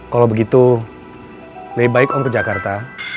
kalau begitu lebih baik om ke jakarta